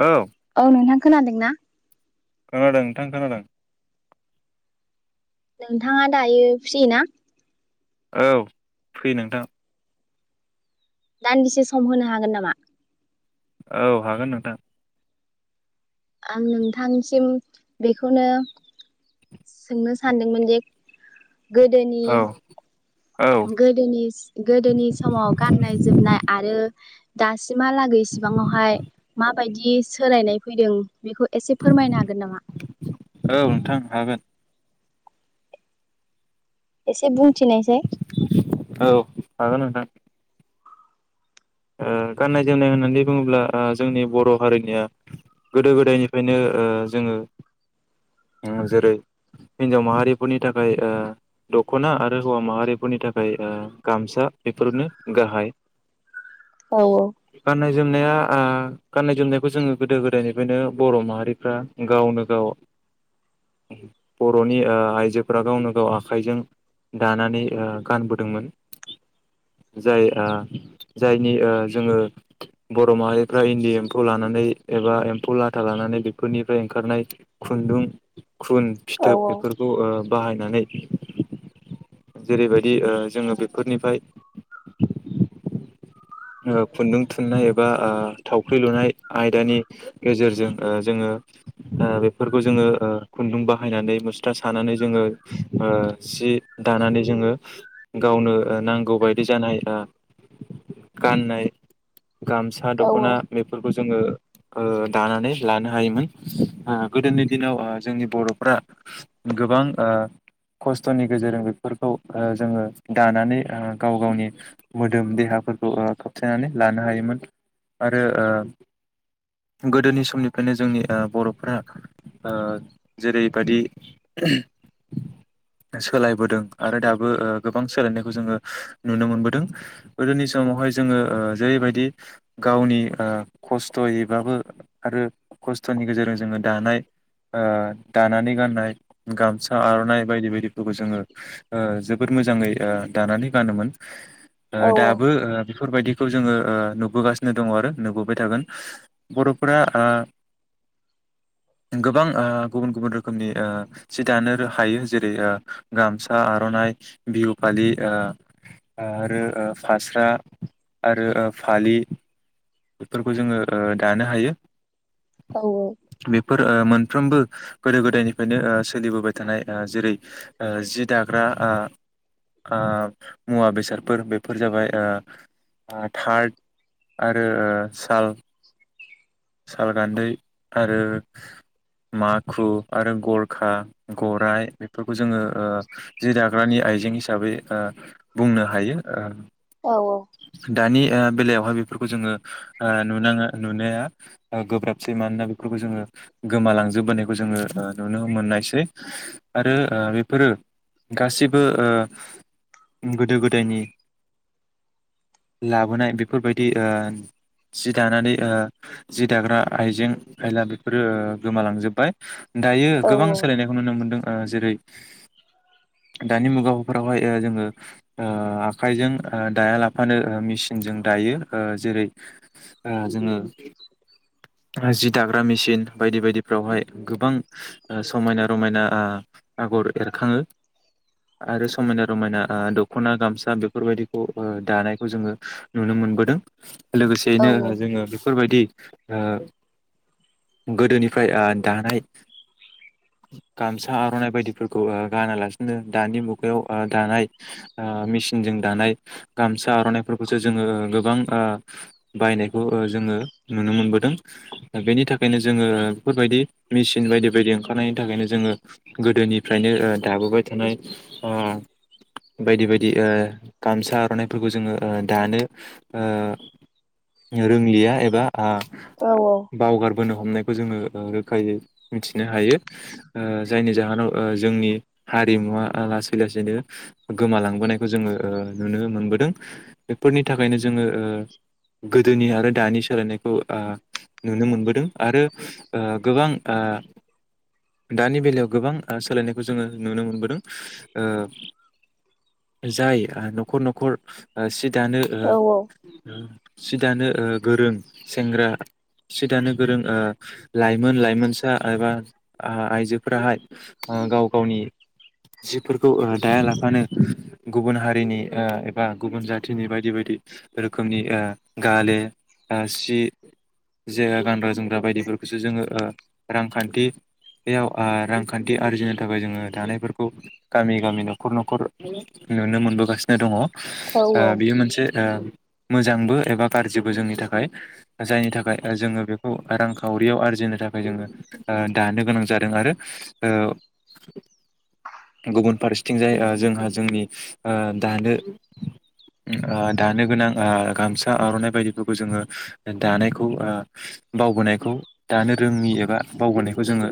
औ खोनादोंना? खोनादों नोंथां खोनादों। नोंथाङा दायो फ्रि ना? औ फ्रि नोंथां दान्दिसे सम होनो हागोन नामा? औ हागोन नोंथां। आं नोंथांसिम बेखौनो- सोंनो सानदोंमोन जे गोदोनि औ औ गोदोनि गोदोनि समाव गाननाय जोमनाय आरो दास सिमहालागै इसेबांआवहाय मा बायदि सोलायनाय फैदों बेखौ एसे फोरमायनो हागोन नामा? नोंथां हागोन एसे बुंथिनायसाय औ हागोन नोंथां गाननाय जोमनाय होननानै बुङोब्ला जोंनि बर' हारिनिया गोदो गोदायनिफ्रायनो जोङो जेरै हिनजाव माहारिफोरनि थाखाय ओ दख'ना आरो हौवा माहारिफोरनि थाखाय ओ गामसा बेफोरनो गाहाय। औ औ। गाननाय जोमनाया गाननाय जोमनायखौ जोङो गोदो गोदायनिफ्रायनो बर' माहारिफ्रा गावनो गाव बर'नि आइजोफ्रा गावनो गाव आखाइजों दानानै गानबोदोंमोन जाय ओ जायनि जोङो बर' माहारिफ्रा इन्दि एम्फौ लानानै एबा एम्फौ लाथा लानानै बेफोरनिफ्राय ओंखारनाय खुन्दुं ख्रुन फिथोब बेफोरखौ ओ बाहायनानै जेरैबायदि ओ जोङो बेफोरनिफ्राय ओ खुन्दुं थुननाय एबा ओ थावख्रि लुनाय आयदानि गेजेरजों ओ जोङो बेफोरखौ जोङो ओ खुन्दुं बाहायनानै मुस्रा सानानै जोङो ओ सि दानानै जोङो गावनो नांगौ बायदि जानाय ओ गाननाय गामसा औ दख'ना बेफोरखौ जोङो ओ दानानै लानो हायोमोन ओ गोदोनि दिनाव ओ जोंनि बर'फ्रा गोबां ओ खस्थ'नि गेजेरजों बेफोरखौ ओ जोङो दानानै ओ गाव गावनि मोदोम देहाफोरखौ फोरखौ ओ खोबथेनानै लानो हायोमोन आरो गोदोनि समनिफ्रायनो जोंनि ओ बर'फ्रा ओ जेरैबादि सोलायबोदों आरो दाबो ओ गोबां सोलायनायखौ जोङो ओ नुनो मोनबोदों गोदोनि सम समावहाय जोङो जेरैबायदि गावनि ओ खस्थ'यैबाबो आरो खस्थ'नि गेजेरजों जोङो दानाय ओ दानानै गाननाय गामसा आर'ना बायदि बायदिफोरखौ जोङो ओ जोबोद मोजाङै ओ दानानै गानोमोन ओ औ औ। दाबो बेफोरबायदिखौ जोङो नुबोगासिनो दङ आरो नुबोबाय थागोन बर'फोरा ओ गोबां ओ गुबुन गुबुन रोखोमनि ओ सि दानो हायो जेरै ओ गामसा आर'नाइ बिहु फालि ओ आरो ओ फास्रा आरो ओ फालि बेफोरखौ जोङो ओ दानो हायो औ बेफोर मोनफ्रोमबो गोदो गोदायनिफ्रायनो ओ सोलिबोबाय थानाय ओ जेरै जि दाग्रा आ ओ मुवा बेसादफोर बेफोर जाबाय ओ थारथ आरो आरो ओ साल साल गान्दै आरो माखु आरो गरखा गराइ बेफोरखौ जोङो ओ जि दाग्रानि आइजें हिसाबै ओ बुंनो हायो ओ औ औ। दानि बेलायावहाय बे फोरखौ जोङो नुङा नुनाया गोब्राबसै मानोना बेफोरखौ जोङो गोमालांजोबबोनायखौ जोङो नुनो मोननायसै आरो ओ बेफोरो गासिबो ओ गोदो गोदायनि लाबोनाय बेफोरबायदि बिदि ओ जि दानानै ओ जि दाग्रा आइजें आयला बेफोरो ओ गोमालांजोबबाय दायो औ गोबां सोलायनायखौ नुनो मोनदों जेरै दानि मुगाफोरावहाय जोङो ओ आखाइजों दाया लाफानो मेसिनजों दायो ओ जेरै ओ जोङो जि दाग्रा मेसिन बायदि बायदिफ्रावहाय गोबां समायना रमायना ओ आगर एरखाङो आरो समायना रमायना ओ दख'ना गामसा बेफोरबायदिखौ ओ दानायखौ जोङो नुनो मोनबोदों औ लोगोसेयैनो जोङो बेफोरबायदि ओ गोदोनिफ्राय दानाय गामसा आर'नाइ बायदिफोरखौ ओ गानालासिनो दानि ओ मुगायाव दानाय ओ मेसिनजों दानाय गामसा आर'नाइफोरखौसो जोङो गोबां ओ बायनायखौ जोङो नुनो मोनबोदों बेनि थाखायनो जोङो बेफोरबायदि मेसिन बायदि बायदि ओंखारनायनि थाखायनो जोङो गोदोनिफ्रायनो ओ दाबोबाय थानाय ओ बायदि बायदि ओ गामसा आर'नाइफोरखौ जोङो ओ दानो। ओ रोंलिया एबा। औ बावगार बोनो हमनायखौ जोङो रोखायै मिथिनो हायो ओ जायनि जाहोनाव जोंनि हारिमुवा लासै लासैनो गोमालांबोनायखौ जोङो ओ नुनो मोनबोदों बेफोरनि थाखायनो जोङो ओ गोदोनि आरो दानि सोलायनायखौ ओ नुनो मोनबोदों आरो ओ गोबां ओ दानि बेलायाव गोबां सोलायनायखौ जोङो नुनो मोनबोदों ओ जाय न'खर न'खर सि दानो औ। सिदानो गोरों सेंग्रा सिदानो गोरों ओ लाइमोन लाइमोनसा एबा आइजोफोराहाय गाव गावनि जिफोरखौ दाया लाफानो गुबुन हारिनि एबा गुबुन जाथिनि बायदि बायदि रोखोमनि ओ गाले सि जे गानग्रा जोमग्रा बायदिफोरखौसो जोङो ओ रांखान्थियाव रांखान्थि आरजिनो थाखाय जोङो दानायफोरखौ गामि गामि न'खर न'खर नुनो मोनबोगासिनो दङ। ओ बेयो औ मोनसे। मोजांबो एबा गाज्रिबो जोंनि थाखाय जायनि थाखाय जोङो बेखौ रांखावरियाव आरजिनो थाखाय जोङो ओ दानो गोनां जादों आरो ओ गुबुन फारसेथिं जाय जोंहा जोंनि ओ दानो दानो गोनां ओ गामसा आर'नाइ बायदिफोरखौ जोङो दानायखौ ओ बावबोनायखौ दानो रोङि एबा बावबोनायखौ जोङो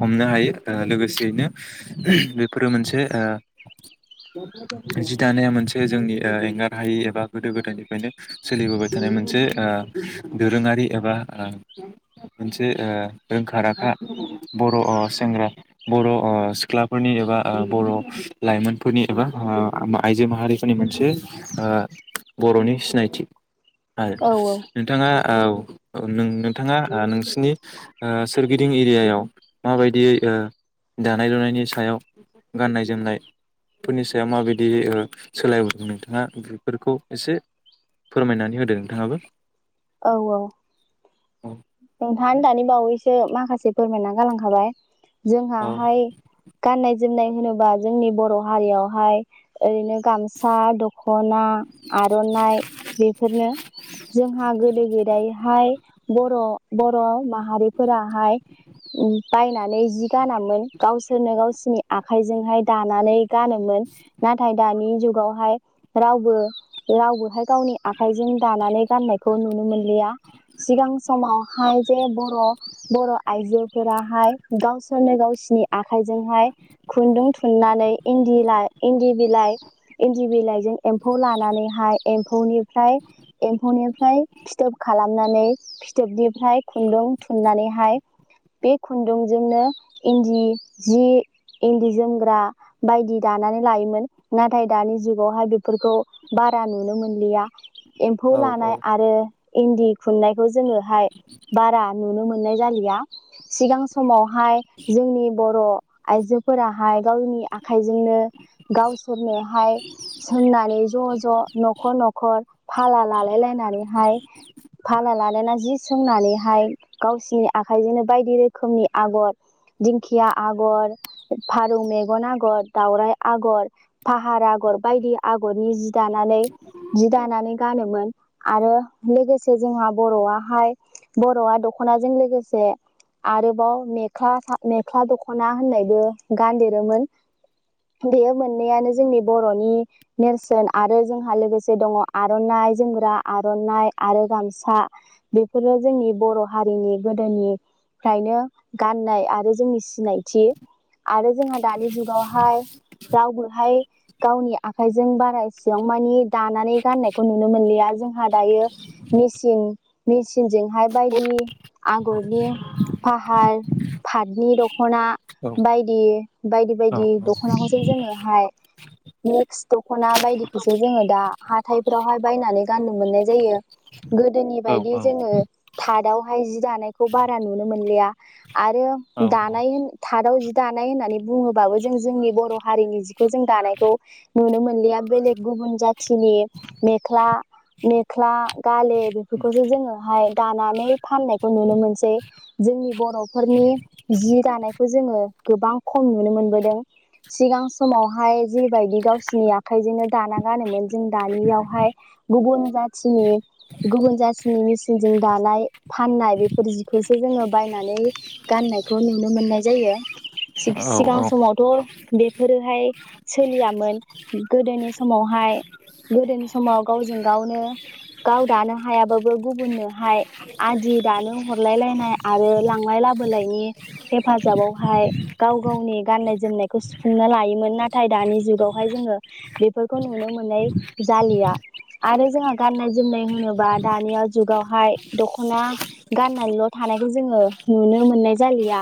हमनो हायो ओ लोगोसेयैनो बेफोरो मोनसे जि दानाया मोनसे जोंनि ओ एंगार हायै एबा गोदो गोदायनिफ्रायनो सोलिबोबाय थानाय मोनसे ओ दोरोङारि एबा मोनसे ओ रोंखा राखा बर' सेंग्रा बर' सिख्लाफोरनि एबा बर' लाइमोनफोरनि एबा आइजो माहारिफोरनि मोनसे ओ बर'नि सिनायथि औ नोंथाङा औ ओ नों नोंथाङा ओ नोंसिनि ओ सोरगिदिं एरियायाव माबायदि ओ दानाय लुनायनि सायाव गाननाय जोमनायफोरनि सायाव माबायदि ओ सोलायहर नोंथाङा बेफोरखौ एसे फोरमायनानै होदो नोंथाङाबो औ औ औ नोंथाङानो दानि बावैसो माखासे फोरमायना गालां खाबाय औ जोंहाहाय गाननाय जोमनाय होनोबा जोंनि बर' हारियावहाय ओरैनो गामसा दख'ना आर'नाइ बेफोरनो जोंहा गोदो गोदायहाय बर' बर' माहारिफोराहाय बायनानै जि गानामोन गावसोरनो गावसोरनि आखाइजोंहाय दानानै गानोमोन नाथाय दानि जुगावहाय रावबो रावबोहाय गावनि आखाइजों दानानै गाननायखौ नुनो मोनलिया सिगां समाव हाय जे बर' बर' आइजोफोराहाय गावसोरनो गावसोरनि आखाइजोंहाय खुन्दुं थुननानै इन्दि लाइ इन्दि बिलाइ इन्दि बिलाइजों एम्फौ लानानैहाय एमफौनिफ्राय एम्फौनिफ्राय फिथोब खालामनानै फिथोब फ्राय खुन्दुं थुननानैहाय बे खुन्दुंजोंनो इन्दि जि इन्दि जोमग्रा बायदि दानानै लायोमोन नाथाय दानि जुगावहाय बेफोरखौ बारा नुनो मोनलिया एम्फौ औ लानाय आरो इन्दि खुननायखौ जोङोहाय बारा नुनो मोननाय जालिया सिगां समाव हाय जोंनि बर' आइजोफोराहाय गावनि आखाइजोंनो गावसोरनोहाय होननानै ज' ज न'खर न'खर फाला लालाय लायनानैहाय फाला लालायनानै जि सोंनानैहाय गावसिनि आखाइजोंनो बायदि रोखोमनि आगर दिंखिया आगर फारौ मेगन आगर दावराइ आगर फाहार आगर बायदि आगरनि जि दानानै जि दानानै गानोमोन आरो लोगोसे जोंहा बर'आहाय बर'आ दख'नाजों लोगोसे आरोबाव मेख्ला मेख्ला दख'ना होननायबो गानदेरोमोन बेयो मोननैयानो जोंनि बर'नि नेरसोन आरो जोंहा लोगोसे दङ आर'नाइ जोमग्रा आर'नाइ आरो गामसा बेफ फोरो जोंनि बर' हारिनि गोदोनिफ्रायनो गाननाय आरो जोंनि सिनायथि आरो जोंहा दानि जुगावहाय रावबोहाय गावनि आखाइजों बारा एसेबां मानि दानानै गाननायखौ नुनो मोनलिया जोंहा दायो मेसिन मेसि सिनजों हाय बायदि आगरनि फाहार फाटनि दख'ना औ बायदि बायदि बायदि दख'नाखौसो जोङोहाय मिक्स दख'ना बायदिखौसो जोङो दा हाथायफोरावहाय बायनानै गाननो मोननाय जायो गोदोनि औ बायदि ओ थादावहाय जि दानायखौ बारा नुनो मोनलिया आरो दानाय होनो थादाव जि दानाय होननानै बुङोबाबो जों जोंनि बर' हारिनि जिखौ जों दानायखौ नुनो मोनलिया बेलेग गुबुन जाथिनि मेख्ला मेख्ला गाले बेफोरखौसो जोङो हाय दानानै फाननायखौ नुनो मोनसै जोंनि बर'फोरनि जि दानायखौ जोङो गोबां खम नुनो मोनबोदों सिगां समावहाय जिबायदि गावसोरनि आखाइजोंनो दाना गानोमोन जों दानियावहाय गुबुन जाथिनि गुबुन जाथिनि मिसि नजों दानाय फाननाय बेफोर जिखौसो जोङो बायनानै गाननायखौ नुनो मोननाय जायो सिग औ सिगां समावथ' बेफोरोहाय सोलियामोन गोदोनि समावहाय गोदोनि समाव गावजों गावनो गाव दानो हायाबाबो गुबुननोहाय आदि दानो हरलाय लायनाय आरो लांलाय लाबोलायनि हेफाजाबावहाय गाव गावनि गाननाय जोमनायखौ सुफुंना लायोमोन नाथाय दानि जुगावहाय जोङो बेफोरखौ नुनो मोननाय जालिया आरो जोंहा गाननाय जोमनाय होनोबा दानिया जुगावहाय दख'ना गाननानैल' थानायखौ जोङो नुनो मोननाय जालिया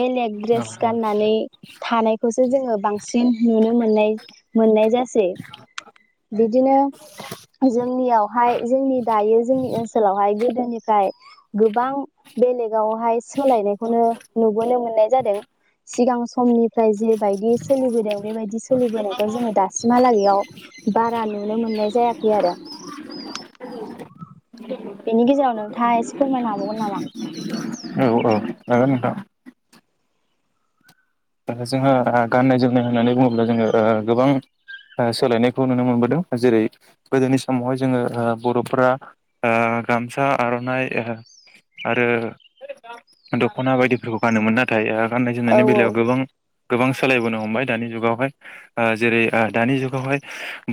बेलेग औ दड्रेस औ गाननानै थानायखौसो जोंङो बांसिन नुनो मोननाय मोननाय जासै बिदिनो जोंनियावहाय जोंनि दायो जोंनि ओल ओनावहाय गोदोनिफ्राय गोबां बेलेगावहाय सोलायनायखौनो नुबोनो मोननाय जादों। सिगां समनिफ्राय जेबायदि सोलिबोदों बेबायदि सोलिबोनायखौ जोंङो दा सिमहालागैआव बारा नुनो मोननाय जायाखै आरो। बेनि गेजेराव नोंथाङा एसे फोरमायनो हाबावगोन नामा? औ औ हागोन नोंथां जोंहा गाननाय जोमनाय होननानै बुङोब्ला जोङो ओ गोबां ओ सोलायनायखौ नुनो मोनबोदों जेरै गोदोनि समावहाय ओ जोंङो बर'फोरा ओ गामसा आर'नाइ आरो दख'ना बायदिफोरखौ गानोमोन नाथाय गाननाय औ जोमनायनि बेलायाव गोबां गोबां सोलायबोनो हमबाय दानि जुगावहाय ओ जेरै ओ दानि जुगावहाय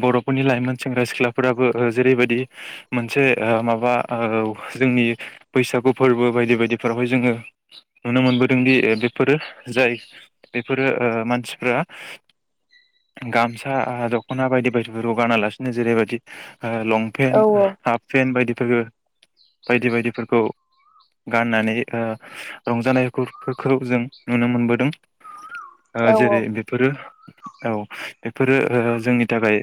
बर'फोरनि लाइमोन सेंग्रा सिख्लाफोराबो ओ जेरैबायदि मोनसे ओ माबा ओ जोंनि बैसागु फोरबो बायदि बायदिफोरावहाय जोंङो नुनो मोनबोदोंदि बेफोरो जाय बेफोरो ओ मानसिफोरा गामसा दख'ना बायदि बायदि रगानालासिनो जेरैबायदि लं औ पेन्ट हाफ पेन्ट बायदि बायदि बायदिफोरखौ गाननानै रंजानायफोरखौ जों नुनो मोनबोदों। [inaudible] ओ औ जेरै बेफोरो औ बेफोरो ओ जोंनि थाखाय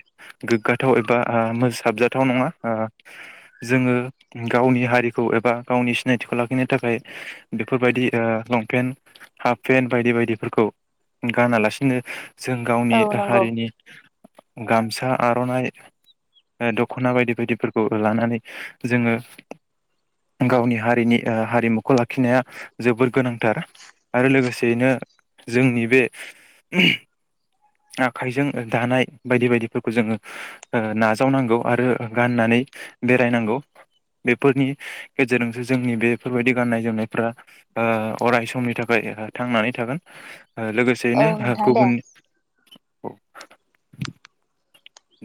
गोग्गाथाव एबा ओ मोसाबजाथाव नङा ओ जोंङो गावनि हारिखौ एबा गावनि सिनायथिखौ लाखिनो थाखाय बेफोरबायदि ओ लंपेन्ट हाफ पेन्ट बायदि बायदि फोरखौ गानालासिनो जों औ गावनि नंगौ हारिनि गामसा आर'नाइ दख'ना बायदि बायदिफोरखौ लानानै जोंङो गावनि हारिनि ओ हारिमुखौ लाखिनाया जोबोर गोनांथार आरो लोगोसेयैनो जोंनि बे आखाइजों दानाय बायदि बायदिफोरखौ जोंङो नाजावनांगौ आरो गाननानै बेरायनांगौ बेफोरनि गेजेरजोंसो जोंनि बेफोरबायदि गाननाय जोमनायफ्रा ओ अराय समनि थाखाय थांनानै थागोन। ओ औ लोगोसेयैनो नोंथां दे गुबुन [unintelligible]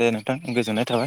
दे नोंथां गोजोननाय थाबाय